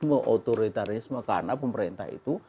meng autoritarisme karena pemerintah itu